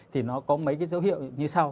thì nó có mấy cái dấu hiệu như sau